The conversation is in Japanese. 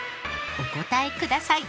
お答えください。